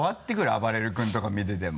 あばれる君とか見てても。